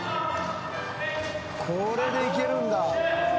これでいけるんだ。